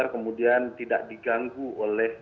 kemudian tidak diganggu oleh